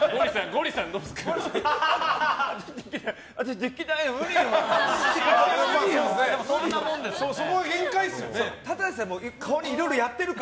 ゴリさん、どうですか？